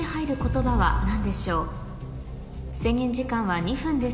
制限時間は２分です